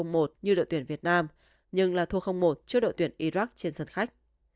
như đội tuyển việt nam nhưng là thua một trước đội tuyển iraq trên sân khách